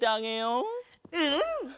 うん！